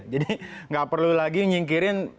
jadi enggak perlu lagi nyingkirin